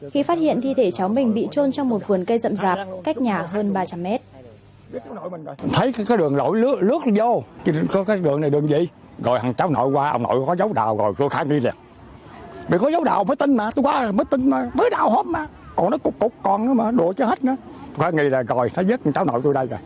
nhận thi thể cháu mình bị trôn trong một vườn cây rậm rạp cách nhà hơn ba trăm linh mét